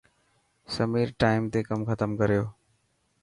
سمير ٽائم تي ڪم ختم ڪريو.